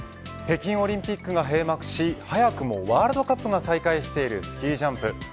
北京オリンピックが閉幕し早くもワールドカップが再開しているスキージャンプ。